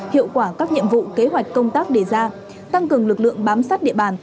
hiệu quả các nhiệm vụ kế hoạch công tác đề ra tăng cường lực lượng bám sát địa bàn